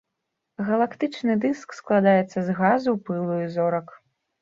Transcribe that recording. Галактычны дыск складаецца з газу, пылу і зорак.